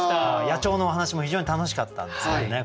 野鳥のお話も非常に楽しかったんですけどね